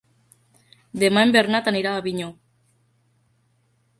Demà en Bernat anirà a Avinyó.